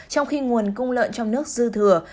trong khi nguồn cung lợn trong nước dư thừa